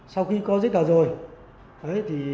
sau khi có dứt đỏ rồi